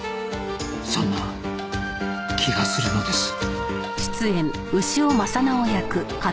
そんな気がするのです